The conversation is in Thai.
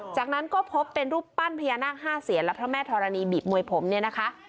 จากนั้นก็พบเป็นรูปปั้นพญานาค๕เสียนและพระแม่ธรณีบีบมวยผมเนี่ยนะคะ